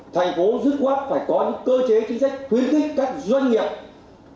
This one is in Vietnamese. thành phố dứt khoát phải có những cơ chế chính sách khuyến khích các doanh nghiệp